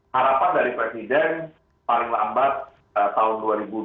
harapan dari presiden paling lambat tahun dua ribu dua puluh dua khususnya awal dua ribu dua puluh dua